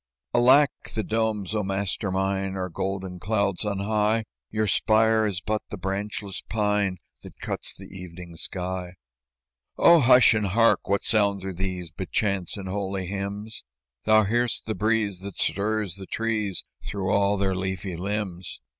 "Alack! the domes, O master mine, Are golden clouds on high; Yon spire is but the branchless pine That cuts the evening sky." "Oh, hush and hark! What sounds are these But chants and holy hymns?" "Thou hear'st the breeze that stirs the trees Through all their leafy limbs."